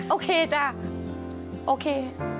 โอเคจ้ะโอเค